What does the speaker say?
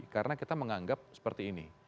karena kita menganggap seperti ini